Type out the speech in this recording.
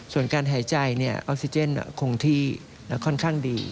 ส่วนการหายใจออกซิเจนคงที่ค่อนข้างดี